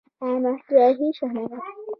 احمدشاهي شهنامه